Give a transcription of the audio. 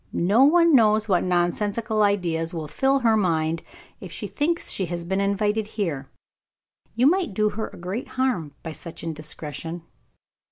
No one knows what nonsensical ideas will fill her mind if she thinks she has been invited here; you might do her a great harm by such indiscretion.